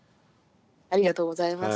ありがとうございます。